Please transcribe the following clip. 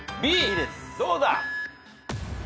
どうだ？